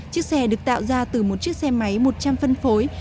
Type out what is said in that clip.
chiếc xe được tạo ra từ một chiếc xe máy một trăm linh phân phối